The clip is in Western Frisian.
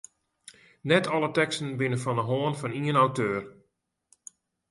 Net alle teksten binne fan de hân fan ien auteur.